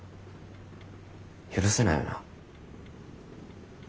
許せないよな。